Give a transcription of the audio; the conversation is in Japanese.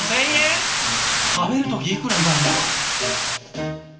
食べる時いくらになるんだろう。